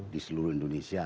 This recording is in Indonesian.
di seluruh indonesia